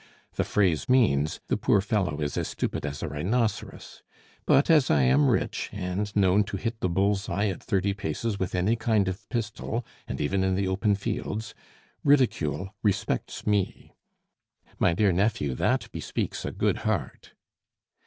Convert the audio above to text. The phrase means: 'The poor fellow is as stupid as a rhinoceros.' But as I am rich, and known to hit the bull's eye at thirty paces with any kind of pistol, and even in the open fields, ridicule respects me." "My dear nephew, that bespeaks a good heart."